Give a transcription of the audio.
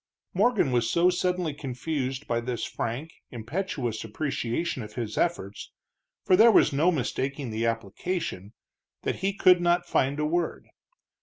Morgan was so suddenly confused by this frank, impetuous appreciation of his efforts, for there was no mistaking the application, that he could not find a word.